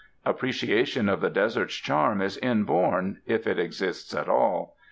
Appreciation of the desert's charm is inborn, if it exists at all.